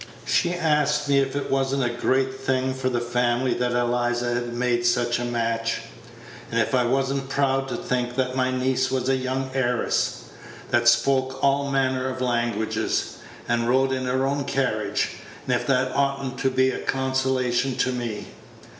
She asked me if it was n't a great thing for the family that Eliza had made such a match; and if I was n't proud to think that my niece was a young heiress, that spoke all manner of languages, and rode in her own carriage; and if that ought n't to be a consolation to me?